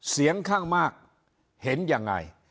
เสียงข้างมากเห็นยังไง